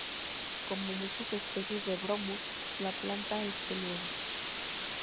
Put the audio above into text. Como muchas especies de "Bromus" la planta es peludo.